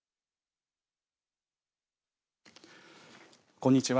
こんにちは。